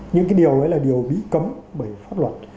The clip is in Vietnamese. những cái điều đấy là điều bị cấm bởi pháp luật